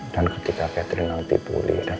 dan ketika catherine nanti pulih dan